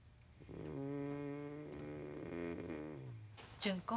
純子。